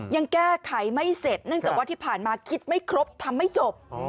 ยังแก้ไขไม่เสร็จเนื่องจากว่าที่ผ่านมาคิดไม่ครบทำไม่จบ